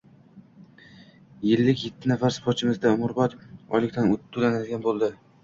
Ellik yetti nafar sportchimizga umrbod oylik toʻlanadigan boʻldi.